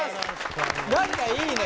何かいいね！